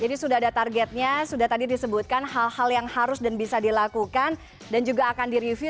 jadi sudah ada targetnya sudah tadi disebutkan hal hal yang harus dan bisa dilakukan dan juga akan di review